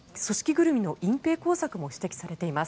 ぐるみの隠ぺい工作も指摘されています。